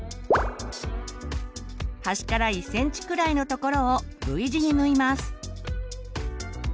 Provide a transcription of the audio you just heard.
端から１ｃｍくらいのところをＶ字に縫います。